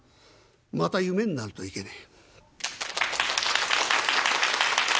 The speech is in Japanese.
「また夢になるといけねえ」。